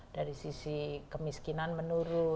dari sisi kemiskinan menurut